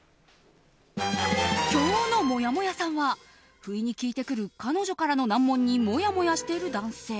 今日のもやもやさんは不意に聞いてくる彼女からの難問にもやもやしている男性。